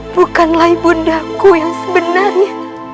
bukanlah ibundaku yang sebenarnya